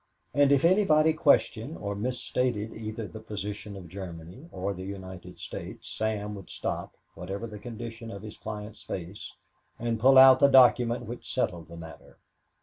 And if anybody questioned or mis stated either the position of Germany or the United States, Sam would stop, whatever the condition of his client's face, and pull out the document which settled the matter.